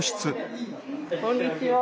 こんにちは。